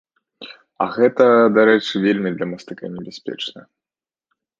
А гэта, дарэчы, вельмі для мастака небяспечна.